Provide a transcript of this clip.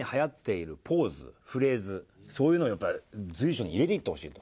そういうのをやっぱり随所に入れていってほしいと。